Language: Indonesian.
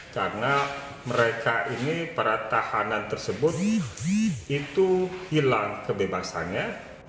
karena mereka ini para tahanan tersebut itu hilang kebebasannya